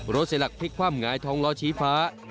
รถเสียหลักพลิกความหงายท้องล้อฉีฟ้า